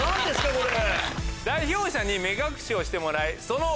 これ。